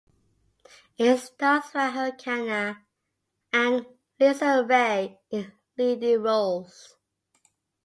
Its stars Rahul Khanna and Lisa Ray in leading roles.